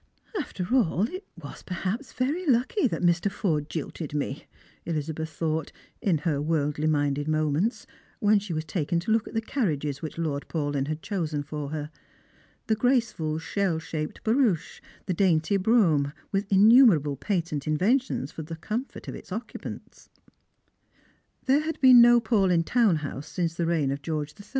" After all, it was perhaps very lucky that Mr. Forde jilted me," Elizabeth thought in her worldly minded moments, when she was taken to look at the carriages which Lord Paulyn had chosen for her. The graceful shell shaped barouche, the dainty brougham, with innumerable patent inventions for the comfort of its occupant. There had been no Paulyn town house since the reign of George III.